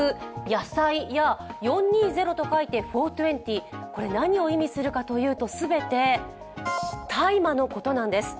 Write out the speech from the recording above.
野菜や４２０と書いてフォートェンティー、これ、何を意味するかというとすべて大麻のことなんです。